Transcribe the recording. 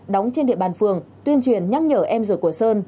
đóng trên địa bàn phường tuyên truyền nhắc nhở em ruột của sơn